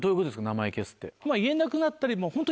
名前消すって。